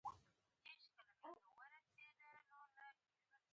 ښځې په رېږدېدلي غږ وويل: